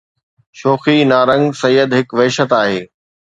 شوخي نارنگ سيد هڪ وحشت آهي